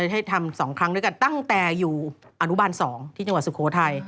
ให้ทำ๒ครั้งด้วยกันตั้งแต่อยู่อนุบาล๒ที่จังหวัดสุโขทัย